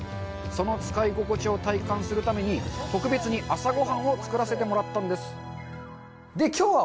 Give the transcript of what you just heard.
その使い心地を体感するために特別に朝ごはんを作らせてもらったんです